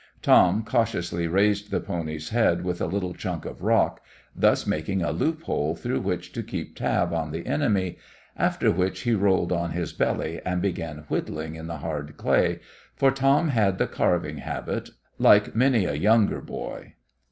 Tom cautiously raised the pony's head with a little chunk of rock, thus making a loophole through which to keep tab on the enemy, after which he rolled on his belly and began whittling in the hard clay, for Tom had the carving habit like many a younger boy.